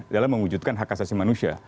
dalam mewujudkan hak asasi manusia